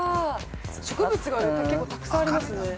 植物が結構たくさんありますね。